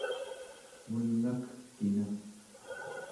mulngakekina!